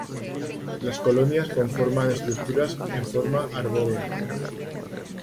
Las colonias conforman estructuras en forma arbórea.